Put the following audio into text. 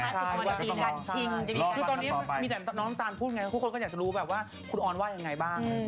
ตอนนี้น้องน้ำตาลพูดไงทุกคนก็อยากจะรู้ว่าคนออลว่ายังไงบ้าง